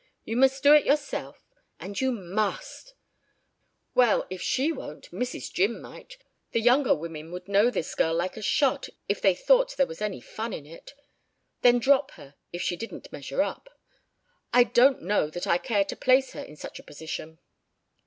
You must do it yourself and you must!" "Well! If she won't, Mrs. Jim might. The younger women would know this girl like a shot if they thought there was any fun in it then drop her if she didn't measure up. I don't know that I care to place her in such a position."